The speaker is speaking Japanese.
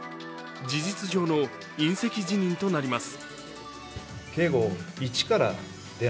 事実上の引責辞任となります。